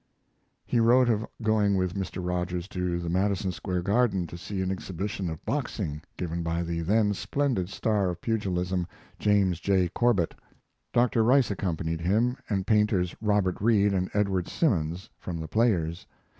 He wrote of going with Mr. Rogers to the Madison Square Garden to see an exhibition of boxing given by the then splendid star of pugilism, James J. Corbett. Dr. Rice accompanied him, and painters Robert Reid and Edward Simmons, from The Players.